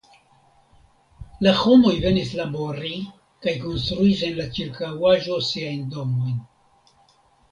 La homoj venis labori kaj konstruis en la ĉirkaŭaĵo siajn domojn.